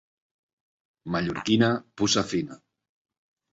Mallorquina, puça fina.